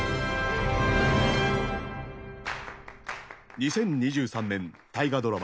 ２０２３年大河ドラマ